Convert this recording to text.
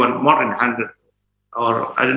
atau saya tidak tahu banyak pertanyaan